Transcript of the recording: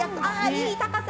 いい高さ！